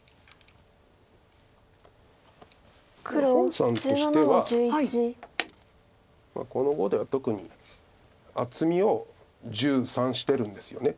洪さんとしてはこの碁では特に厚みを「じゅうさん」してるんですよね。